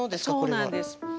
そうなんです。